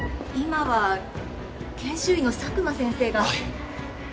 今は研修医の佐久間先生が。